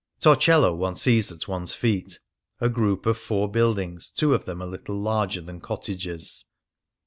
Torcello one sees at one's feet, " a group of four buildings, two of them little larger than cottages."